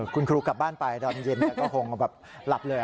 คุณครูกลับบ้านไปตอนเย็นก็คงแบบหลับเลย